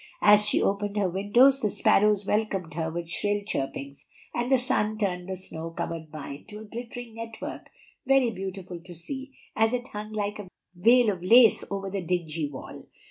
As she opened her windows the sparrows welcomed her with shrill chirpings, and the sun turned the snow covered vine to a glittering network very beautiful to see as it hung like a veil of lace over the dingy wall.